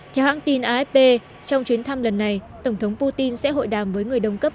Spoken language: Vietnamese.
theo hãng tin afp trong chuyến thăm lần này tổng thống putin sẽ hội đàm với người đồng cấp